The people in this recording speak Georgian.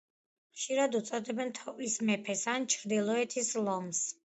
ხშირად უწოდებენ „თოვლის მეფეს“ ან „ჩრდილოეთის ლომს“.